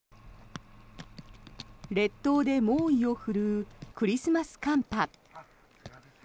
列島で猛威を振るうクリスマス寒波。